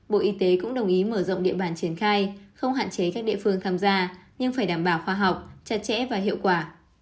bộ y tế cũng đồng ý mở rộng địa bàn triển khai không hạn chế các địa phương tham gia nhưng phải đảm bảo khoa học chặt chẽ và hiệu quả